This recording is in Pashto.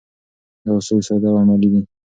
دا اصول ساده او عملي دي.